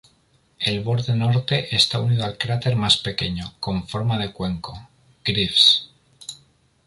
El borde norte está unido al cráter más pequeño, con forma de cuenco, Greaves.